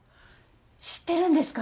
知ってるんですか？